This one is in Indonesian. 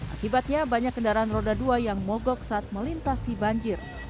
akibatnya banyak kendaraan roda dua yang mogok saat melintasi banjir